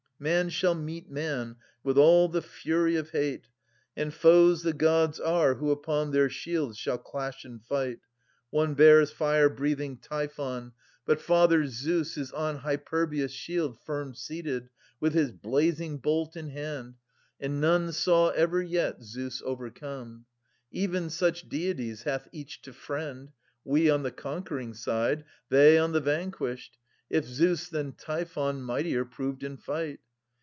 Man shall meet man with all the fury of hate, And foes the Gods are who upon their shields 510 Shall clash in fight : one bears fire breathing Typhon, THE S£ VEN A GA INST THEBES, 25 But father Zeus is on Hyperbius' shield Firm seated, with his blazing bolt in hand. And none saw ever yet Zeus overcome. Even such deities hath each to friend — We on the conquering side, they on the vanquished, If Zeus than Typhon mightier proved in fight.